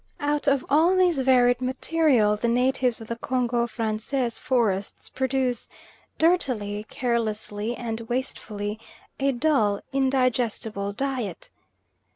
Out of all this varied material the natives of the Congo Francais forests produce, dirtily, carelessly and wastefully, a dull, indigestible diet.